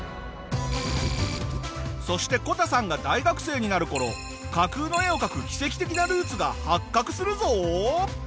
そしてこたさんが大学生になる頃架空の絵を描く奇跡的なルーツが発覚するぞ！